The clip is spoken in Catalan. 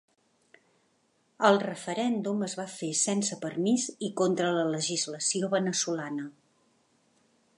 El referèndum es va fer sense permís i contra la legislació veneçolana.